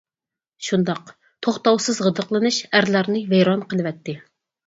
شۇنداق، توختاۋسىز غىدىقلىنىش ئەرلەرنى ۋەيران قىلىۋەتتى.